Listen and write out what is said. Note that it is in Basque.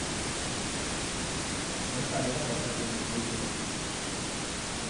Gauza bera gertatzen da ekoizleekin.